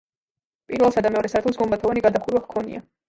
პირველსა და მეორე სართულს გუმბათოვანი გადახურვა ჰქონია.